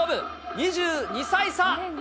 ２２歳差。